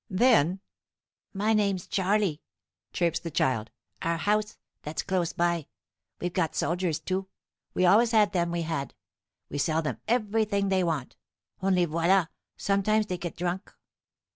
Then, "My name's Charlie," chirps the child. "Our house, that's close by. We've got soldiers, too. We always had them, we had. We sell them everything they want. Only, voila, sometimes they get drunk."